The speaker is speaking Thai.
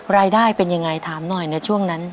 รายได้เป็นยังไงถามหน่อยในช่วงนั้น